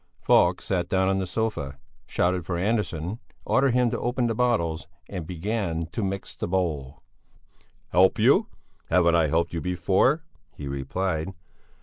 Falk sat down on the sofa, shouted for Andersson, ordered him to open the bottles and began to mix the bowl. "Help you? Haven't I helped you before?" he replied.